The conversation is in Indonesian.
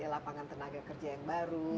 lapangan tenaga kerja yang baru